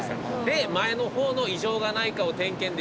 前の方の異常がないかを点検できる。